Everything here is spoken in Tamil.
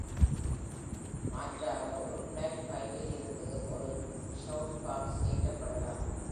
மாற்றாக, ஒரு பிளாட் பைலில் இருந்து ஒரு ஷவுட்பாக்ஸ் ஏற்றப்படலாம்.